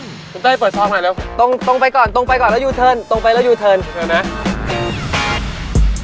คุณเต้ยเปิดซองหน่อยเร็วตรงตรงไปก่อนตรงไปก่อนแล้วยูเทิร์นตรงไปแล้วยูเทิร์นเชิญไหม